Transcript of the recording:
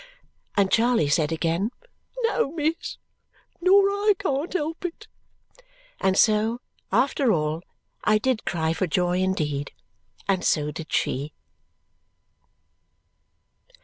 And Charley said again, "No, miss, nor I can't help it." And so, after all, I did cry for joy indeed, and so did she.